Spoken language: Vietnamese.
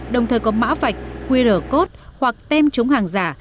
đồng thời có mã vạch qr code hoặc tem chống hàng giả